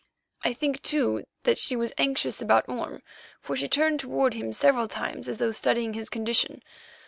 I think, too, that she was anxious about Orme, for she turned toward him several times as though studying his condition.